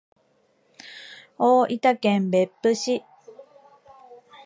大分県別府市